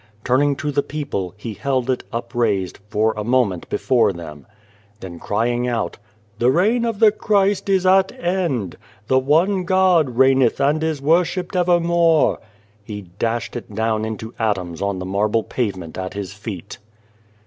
Turning to the people, he held it, upraised, for a moment before them. Then crying out :" The reign of the Christ is at end. The ONE GOD reigneth and is worshipped evermore," he dashed it The Child, the Wise Man down into atoms on the marble pavement at his feet.